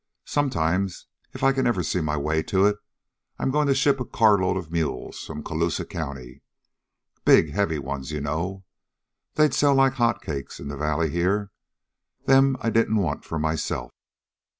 Some time, if I can ever see my way to it, I 'm goin' to ship a carload of mules from Colusa County big, heavy ones, you know. They'd sell like hot cakes in the valley here them I didn't want for myself."